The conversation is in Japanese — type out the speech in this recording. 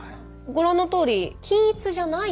ご覧のとおり均一じゃない。